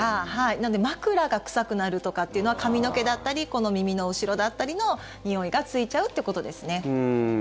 なので枕が臭くなるとかっていうのは髪の毛だったりこの耳の後ろだったりのにおいがついちゃうってことですね。